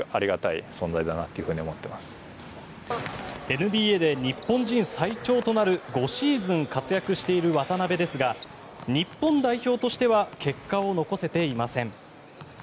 ＮＢＡで日本人最長となる５シーズン活躍している渡邊ですが日本代表としては結果を残せていません。